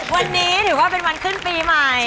วันนี้ถือว่าเป็นวันขึ้นปีใหม่